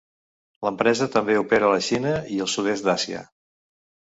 L'empresa també opera a la Xina i al Sud-est d'Àsia.